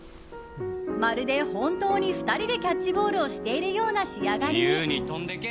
まるで本当に２人でキャッチボールをしているような仕上がりに。